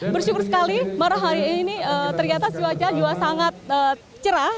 bersyukur sekali malam hari ini ternyata cuaca juga sangat cerah